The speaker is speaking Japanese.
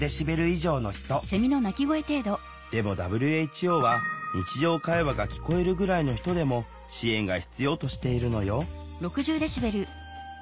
でもＷＨＯは日常会話が聞こえるぐらいの人でも支援が必要としているのよ